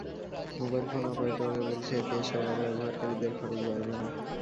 Mobile phone অপারেটররা বলছে, এতে এ সেবা ব্যবহারকারীদের খরচ বাড়বে না।